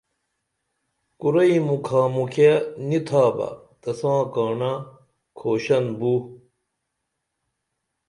کُرئی مُکھا مُکھیہ نی تھا بہ تساں کاڻہ کھوشن بو